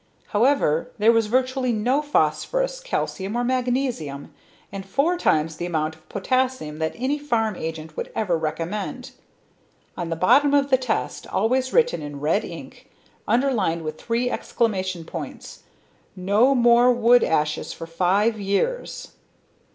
However there was virtually no phosphorus, calcium or magnesium and four times the amount of potassium that any farm agent would ever recommend. On the bottom of the test, always written in red ink, underlined, with three exclamation points, "No more wood ashes for five years!!!"